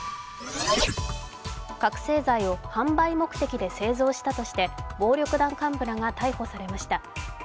覚醒剤を販売目的で製造したとして暴力団幹部らが逮捕されました。